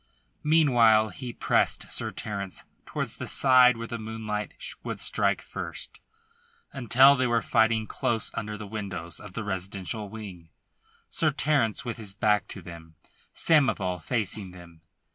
Meanwhile he pressed Sir Terence towards the side where the moonlight would strike first, until they were fighting close under the windows of the residential wing, Sir Terence with his back to them, Samoval facing them.